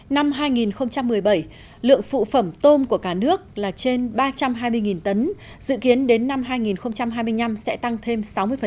năm hai nghìn một mươi bảy lượng phụ phẩm tôm của cả nước là trên ba trăm hai mươi tấn dự kiến đến năm hai nghìn hai mươi năm sẽ tăng thêm sáu mươi